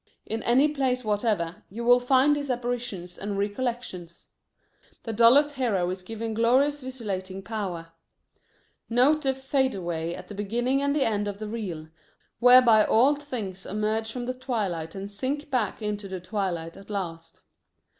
In any plays whatever, you will find these apparitions and recollections. The dullest hero is given glorious visualizing power. Note the "fadeaway" at the beginning and the end of the reel, whereby all things emerge from the twilight and sink back into the twilight at last.